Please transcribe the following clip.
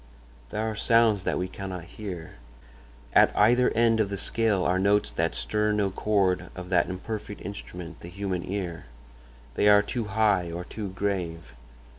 "There are sounds that we cannot hear. At either end of the scale are notes that stir no chord of that imperfect instrument, the human ear. They are too high or too grave.